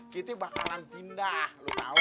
kita bakalan pindah lo tau